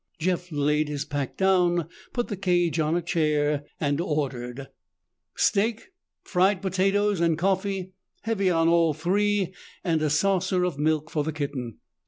Jeff laid his pack down, put the cage on a chair and ordered, "Steak, fried potatoes and coffee. Heavy on all three and a saucer of milk for the kitten."